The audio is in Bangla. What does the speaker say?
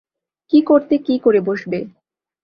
কি করতে কি করে বসবে।